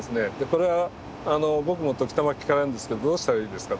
これは僕も時たま聞かれるんですけど「どうしたらいいですか？」